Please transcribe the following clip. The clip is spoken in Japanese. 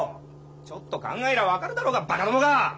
ちょっと考えりゃ分かるだろうがバカどもが！